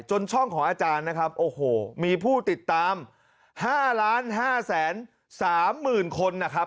จนช่องของอาจารย์นะครับมีผู้ติดตาม๕๐๕๓๐๐๐คนครับ